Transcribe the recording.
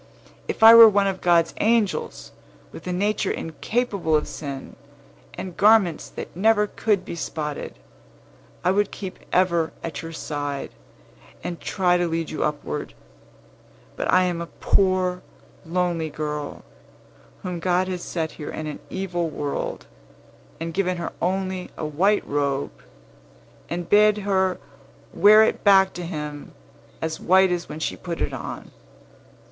"If I were one of God's angels, with a nature incapable of stain, and garments that never could be spotted, I would keep ever at your side, and try to lead you upward. But I am a poor, lonely girl, whom God has set here in an evil world, and given her only a white robe, and bid her wear it back to Him, as white as when she put it on.